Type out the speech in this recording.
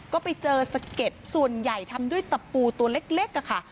ก็ไปเจอสะเก็ดส่วนใหญ่ทำด้วยตะปูตัวเล็กค่ะ